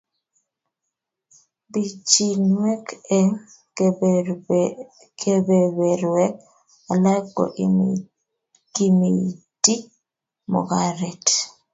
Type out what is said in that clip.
Bichiinwek eng kebeberwek alak ko ikimiiti mungaret